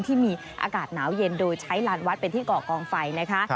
ที่มีอากาศหนาวเย็นโดยใช้ลานวัดเป็นที่เกาะกองไฟนะคะ